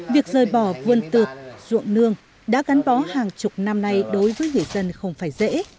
việc rời bỏ vườn tược ruộng nương đã gắn bó hàng chục năm nay đối với người dân không phải dễ